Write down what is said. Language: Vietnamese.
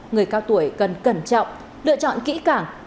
người cao tuổi cần cẩn trọng lựa chọn kỹ cảng